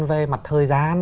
về mặt thời gian